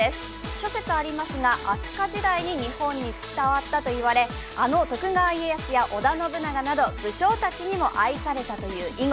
諸説ありますが飛鳥時代に日本に伝わったといわれあの徳川家康や織田信長など武将たちにも愛されたという囲碁。